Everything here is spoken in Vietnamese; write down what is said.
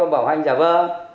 bảo hành giả vơ